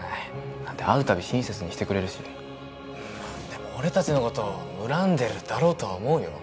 だって会うたび親切にしてくれるしでも俺達のことを恨んでるだろうとは思うよ